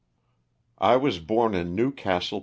T WAS born in New Castle, Pa.